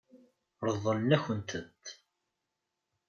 Ṛeḍlen-akent-tent.